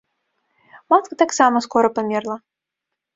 Матка таксама скора памерла.